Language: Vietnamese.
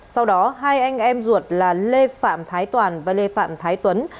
sau đó hai anh em ruột là lê phạm thái toàn và lê phạm thái tuấn